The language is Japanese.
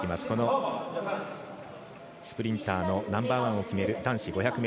このスプリンターのナンバーワンを決める男子５００ｍ。